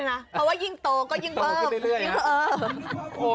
ไม่ว่ายิ่งโตก็ยิ่งเพิ่ม